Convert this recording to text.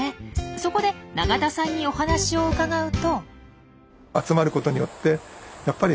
そこで永田さんにお話を伺うと。